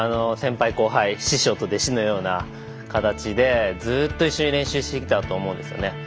先輩、後輩師匠と弟子のような形でずっと一緒に練習してきたと思うんですよね。